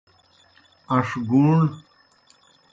اݩݜ گُوݨ۔